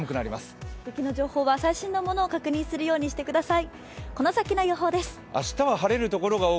雪の情報は最新のものを確認するようにしてください。